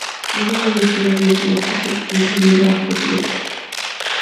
Ella va a decir adiós al equipo, incluyendo a Hodges.